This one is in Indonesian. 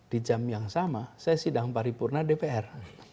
di jam yang sama saya sidang paripurna dpr